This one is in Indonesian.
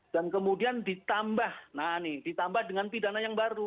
dan kemudian ditambah nah nih ditambah dengan pidana yang baru